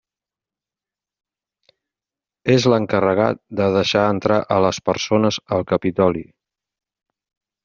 És l'encarregat de deixar entrar a les persones al Capitoli.